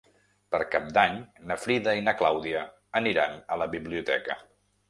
Per Cap d'Any na Frida i na Clàudia aniran a la biblioteca.